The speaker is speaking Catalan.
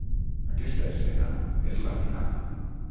Aquesta escena és la final.